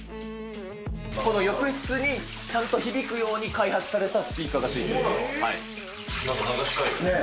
この浴室にちゃんと響くように開発されたスピーカーが付いてるんなんか流したいよね。